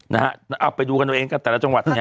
เอาไปดูกันเอาเองก็แต่ละจังหวัดเนี่ย